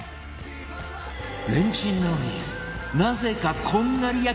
レンチンなのになぜかこんがり焼き目